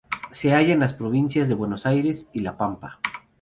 Se halla en las provincias de Buenos Aires y La Pampa.